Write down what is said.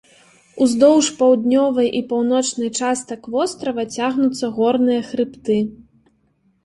Уздоўж паўднёвай і паўночнай частак вострава цягнуцца горныя хрыбты.